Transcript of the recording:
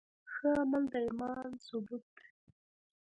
ښه عمل د ایمان ثبوت دی.